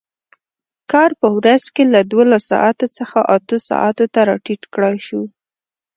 کار په ورځ کې له دولس ساعتو څخه اتو ساعتو ته راټیټ کړای شو.